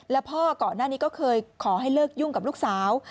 แล้วพ่อก่อนหน้านี้ก็เคยขอให้เลิกยุ่งกับลูกสาว